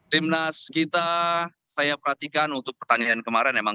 tim nas kita saya perhatikan untuk pertandingan kemarin memang kurang